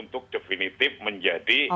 itu dianggap sebagai tinggal jadi ini bisa jadi